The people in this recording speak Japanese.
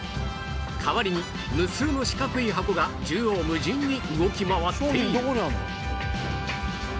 代わりに無数の四角い箱が縦横無尽に動き回っている